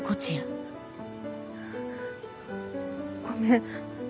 ごめん。